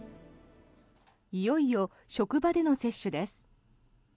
いよいよ職場での接種です。